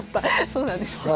そうなんですね。